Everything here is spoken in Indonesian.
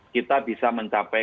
kita bisa mencapai